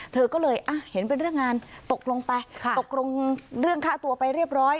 เธอก็เลยเห็นเป็นเรื่องงานตกลงไปตกลงเรื่องฆ่าตัวไปเรียบร้อย